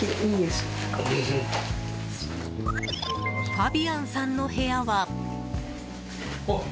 ファビアンさんの部屋は。